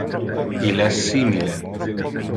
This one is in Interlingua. Il es simile